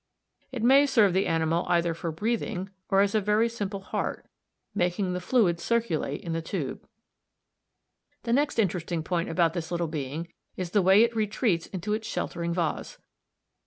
It may serve the animal either for breathing, or as a very simple heart, making the fluids circulate in the tube. The next interesting point about this little being is the way it retreats into its sheltering vase.